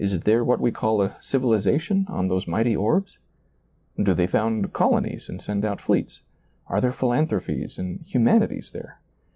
is there what we call a civilization on those mighty orbs ? do they found colonies and send out fleets ? are there philan thropies and humanities there?